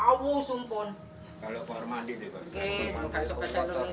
ini juga yang kita gunakan untuk menambah kesehatan